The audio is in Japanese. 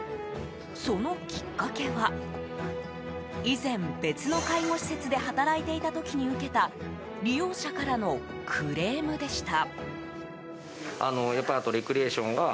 そのきっかけは以前、別の介護施設で働いていた時に受けた利用者からのクレームでした。